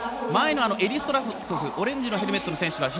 前のエリストラトフオレンジのヘルメットの選手